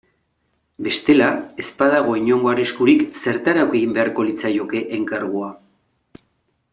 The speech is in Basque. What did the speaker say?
Bestela, ez badago inongo arriskurik zertarako egin beharko litzaioke enkargua.